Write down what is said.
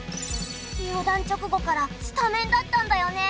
入団直後からスタメンだったんだよね